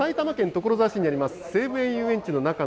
ここは、埼玉県所沢市にあります